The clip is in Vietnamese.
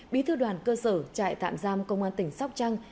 bí thư đoàn cơ sở trại tạm giam công an tỉnh sóc trăng